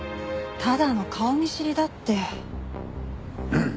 ただの顔見知りだって。